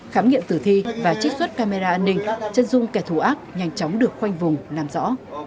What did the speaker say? khám nghiệm tử thi và trích xuất camera an ninh chân dung kẻ thù ác nhanh chóng được khoanh vùng làm rõ